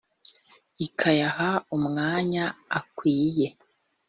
ikayaha umwanya akwiye